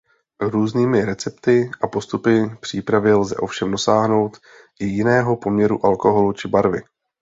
Různými recepty a postupy přípravy lze ovšem dosáhnout i jiného poměru alkoholu či barvy.